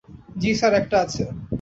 জ্বি স্যার, একটা আছে।